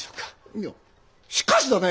いやしかしだね！